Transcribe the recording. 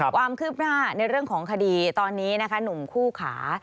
ความคืบหน้าในเรื่องของคดีตอนนี้นะคะหนุ่มคู่ขา